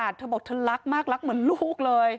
เธอบอกเธอรักมากรักเหมือนลูกเลย